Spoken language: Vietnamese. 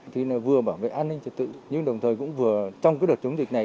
thì vừa bảo vệ an ninh trật tự nhưng đồng thời cũng vừa trong đợt chống dịch này